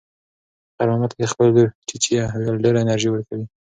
خیر محمد ته د خپلې لور "چیچیه" ویل ډېره انرژي ورکوي.